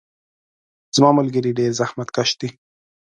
زما ملګري ډیر زحمت کش دي.